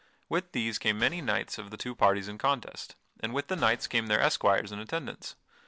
With these came many knights of the two parties in contest, and with the knights came their esquires in attendance.